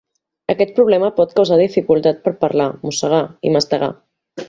Aquest problema pot causar dificultat per a parlar, mossegar i mastegar.